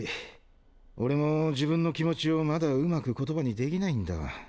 俺も自分の気持ちをまだうまく言葉にできないんだわ。